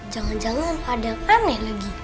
jangan jangan apa ada yang aneh lagi